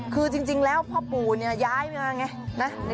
คือจริงแล้วพ่อปู่เนี่ยย้ายมาไงนะ